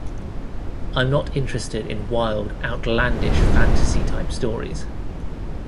I'm not interested in wild, outlandish, fantasy-type stories.